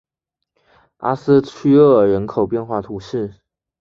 阿斯屈厄人口变化图示